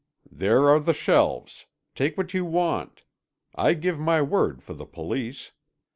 "There are the shelves. Take what you want. I give my word for the Police.